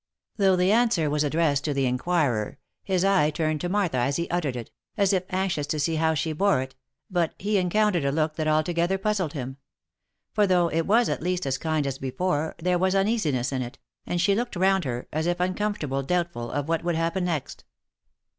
Though the answer was addressed to the inquirer, his eye turned OF MICHAEL ARMSTRONG. 55 to Martha as he uttered it, as if anxious to see how she bore it, but he encountered a look that altogether puzzled him ; for though it was at least as kind as before, there was uneasiness in it, and she looked round her, as if uncomfortably doubtful of what would happen next.